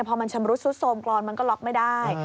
พอมันชำรุดซุดโทรมกรอนมันก็ล็อกไม่ได้